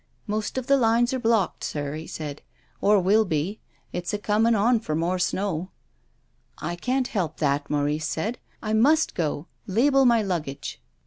•' Most of the lines are blocked, sir," he said, " or will be. It's a coming on for more snow." " I can't help that," Maurice said. " I must go. Label my luggage." 256 TONGUES OF CONSCIENCE.